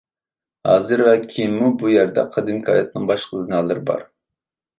ھازىر ۋە كېيىنمۇ بۇ يەردە قەدىمكى ھاياتنىڭ باشقا ئىزنالىرى بار.